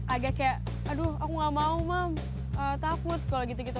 agak kayak aduh aku gak mau ma takut kalau gitu gitu